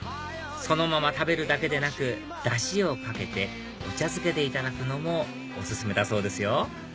そのまま食べるだけでなくダシをかけてお茶漬けでいただくのもお勧めだそうですよ